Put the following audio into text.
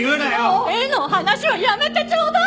もう絵の話はやめてちょうだい！